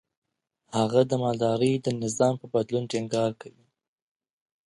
هغه د مالدارۍ د نظام په بدلون ټينګار کوي.